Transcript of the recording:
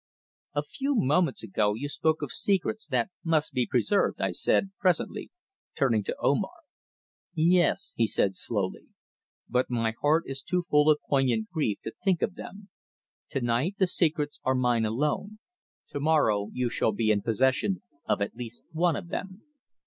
"A few moments ago you spoke of secrets that must be preserved," I said presently, turning to Omar. "Yes," he answered slowly. "But my heart is too full of poignant grief to think of them. To night the secrets are mine alone; to morrow you shall be in possession of at least one of them.